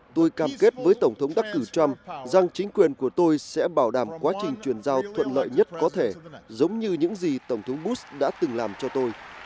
tôi cam kết với tổng thống đắc cử trump rằng chính quyền của tôi sẽ bảo đảm quá trình truyền giao thuận lợi nhất có thể giống như những gì tổng thống bus đã từng làm cho tôi